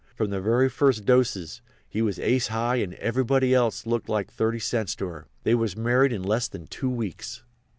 From the very first dose he was ace high and everybody else looked like thirty cents to her. They was married in less than two weeks."